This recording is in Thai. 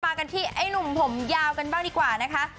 กันที่ไอ้หนุ่มผมยาวกันบ้างดีกว่านะคะ